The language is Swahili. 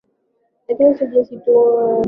lakini sio jinsia tu katika tunapoongelea usawa